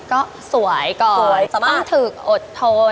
ในการแบบก็สวยก่อนสามารถต้องถึกอดทน